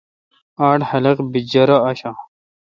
آڈ خلق بی جرہ آشہ۔